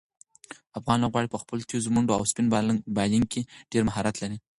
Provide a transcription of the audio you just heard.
افغان لوبغاړي په خپلو تېزو منډو او سپین بالنګ کې ډېر مهارت لري.